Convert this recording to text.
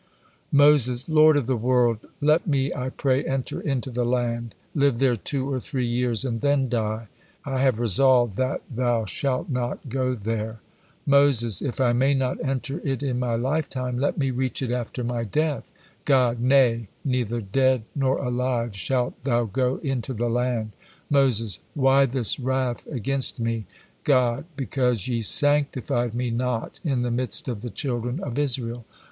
Moses: "Lord of the world! Let me, I pray, enter into the Land, live there two or three years, and then die." God: "I have resolved that thou shalt not go there." Moses: "If I may not enter it in my lifetime, let me reach it after my death." God: "Nay, neither dead nor alive shalt thou go into the land." Moses: "Why this wrath against me?" God: "Because ye sanctified Me not in the midst of the children of Israel."